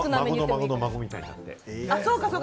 孫の孫の孫みたいになって。